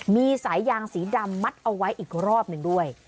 มีสายยางสีดำมัดเอาไว้อีกรอบหนึ่งด้วย